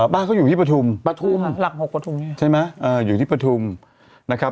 บ้านเขาอยู่ที่ประทุมหลัก๖ประทุมใช่ไหมอยู่ที่ประทุมนะครับ